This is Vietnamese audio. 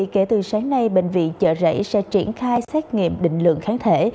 kể từ sáng nay bệnh viện chợ rẫy sẽ triển khai xét nghiệm định lượng kháng thể